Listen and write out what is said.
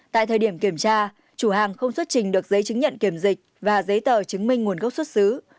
tại thời điểm kiểm tra chủ hàng không xuất trình được giấy chứng nhận kiểm dịch và giấy tờ chứng minh nguồn gốc xuất xứ